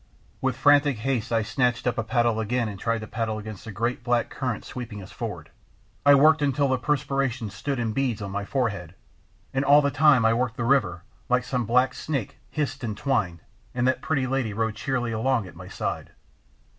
With frantic haste I snatched up a paddle again and tried to paddle against the great black current sweeping us forward. I worked until the perspiration stood in beads on my forehead, and all the time I worked the river, like some black snake, hissed and twined, and that pretty lady rode cheerily along at my side.